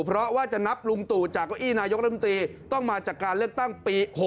เพราะว่าจะนับลุงตู่จากเก้าอี้นายกรรมตรีต้องมาจากการเลือกตั้งปี๖๖